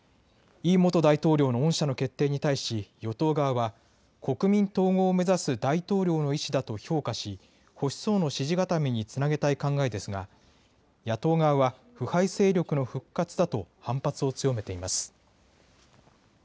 イ元大統領の恩赦の決定に対し与党側は国民統合を目指す大統領の意志だと評価し保守層の支持固めにつなげたい考えですが野党側は腐敗勢力の復活だと反発を強めています。